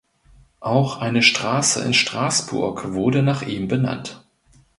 Auch eine Straße in Straßburg wurde nach ihm benannt.